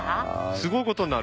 すごい事になる。